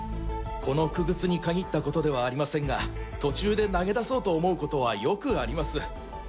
この傀儡に限ったことではありませんが途中で投げ出そうと思うことはよくあります。